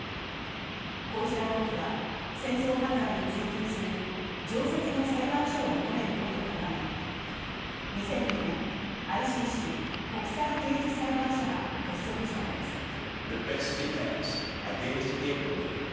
こうした動きは戦争犯罪を追及する常設の裁判所を求める声を高め２００２年、ＩＣＣ＝国際刑事裁判所が発足したのです。